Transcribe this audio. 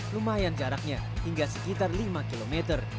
lumayan jaraknya hingga sekitar lima km